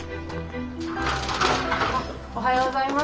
あおはようございます。